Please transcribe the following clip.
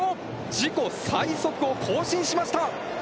自己最速を更新しました。